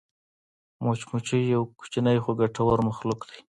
مچمچۍ یو کوچنی خو ګټور مخلوق دی